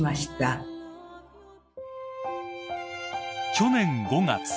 ［去年５月